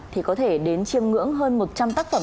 thì có thể đến chiêm ngưỡng hơn một trăm linh tác phẩm